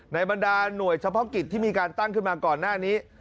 บรรดาหน่วยเฉพาะกิจที่มีการตั้งขึ้นมาก่อนหน้านี้